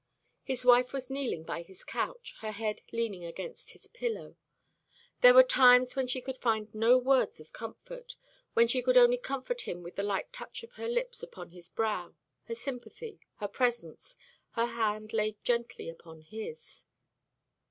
His wife was kneeling by his couch, her head leaning against his pillow. There were times when she could find no words of comfort, when she could only comfort him with the light touch of her lips upon his brow, her sympathy, her presence, her hand laid gently upon his.